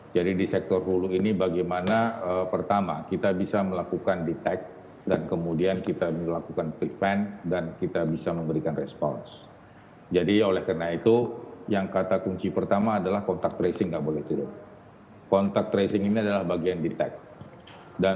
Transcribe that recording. jadi wisma atlet ini sesuai dengan tindakan presiden